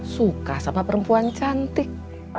suka sama perempuan cantik